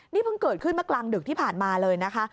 นี่เพิ่งเกิดขึ้นเมื่อกลางดึกที่ผ่านมาเลยนะคะ